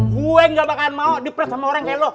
gue gak bakalan mau diperes sama orang kayak lo